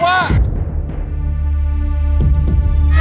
ไม่ใช้